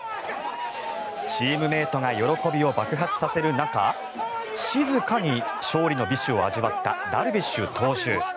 チームメートが喜びを爆発させる中静かに勝利の美酒を味わったダルビッシュ投手。